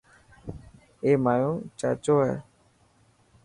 اي مايو چاچو هي.